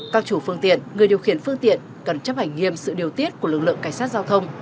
các chủ phương tiện người điều khiển phương tiện cần chấp hành nghiêm sự điều tiết của lực lượng cảnh sát giao thông